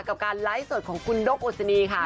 กับการไลฟ์สดของคุณนกอุศนีค่ะ